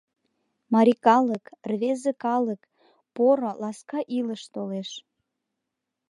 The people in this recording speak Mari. Марий калык, рвезе калык, поро, ласка илыш толеш!